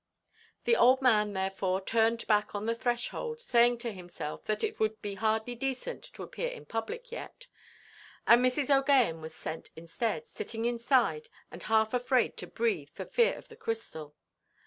The old man, therefore, turned back on the threshold, saying to himself that it would be hardly decent to appear in public yet; and Mrs. OʼGaghan was sent instead, sitting inside, and half afraid to breathe for fear of the crystal.